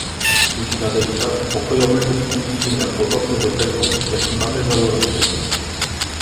Musi nadejść czas pokojowego współistnienia podobny do tego, jaki mamy w Europie